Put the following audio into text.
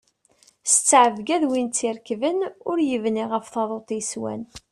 S ttɛebga d win tt-irekben, ur yebni ɣef taḍuṭ yeswan.